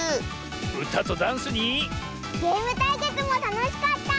うたとダンスにゲームたいけつもたのしかった！